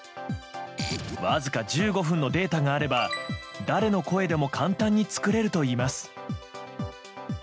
わずか１５分のデータがあれば誰の声でも簡単に作れるといいます。